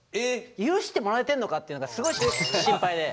許してもらえてるのかっていうのがすごい心配で。